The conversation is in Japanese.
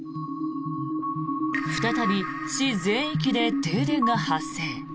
再び市全域で停電が発生。